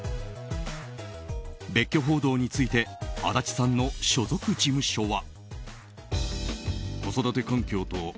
別居報道について安達さんの所属事務所は。